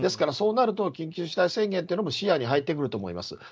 そうなると緊急事態宣言というのも視野に入ってくると思います。